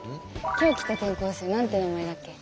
今日来た転校生なんて名前だっけ？